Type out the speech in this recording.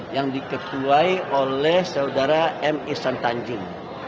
yang diketuai oleh saudara m isran tanjin